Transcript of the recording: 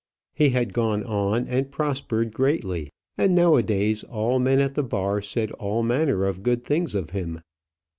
He had gone on and prospered greatly; and nowadays all men at the bar said all manner of good things of him.